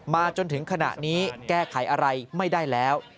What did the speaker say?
จนถึงขณะนี้แก้ไขอะไรไม่ได้แล้ว